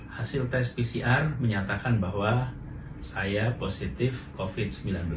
hasil tes pcr menyatakan bahwa saya positif covid sembilan belas